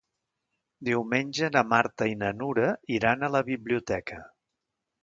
Diumenge na Marta i na Nura iran a la biblioteca.